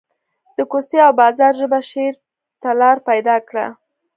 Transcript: د کوڅې او بازار ژبه شعر ته لار پیدا کړه